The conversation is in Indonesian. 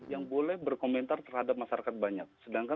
yang boleh berkomentar terhadap masyarakat banyak